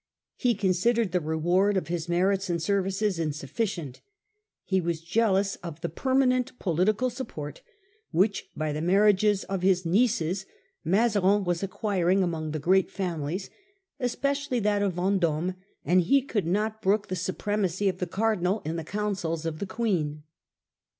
He considered the reward of his merits and services insufficient; he was jealous of the permanent political support which, by the marriages of his nieces, Mazarin was acquiring among the great families, especially that of Vendome, and he could not brook the supremacy of the Cardinal in the councils of the Queen.